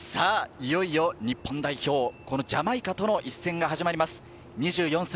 いよいよジャマイカとの一戦が始まります。